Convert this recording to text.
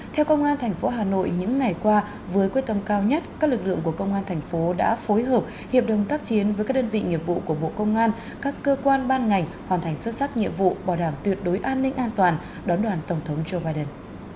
theo công an thành phố hà nội những ngày qua với quyết tâm cao nhất các lực lượng của công an thành phố đã phối hợp hiệp đồng tác chiến với các đơn vị nghiệp vụ của bộ công an các cơ quan ban ngành hoàn thành xuất sắc nhiệm vụ bảo đảm tuyệt đối an ninh an toàn đón đoàn tổng thống joe biden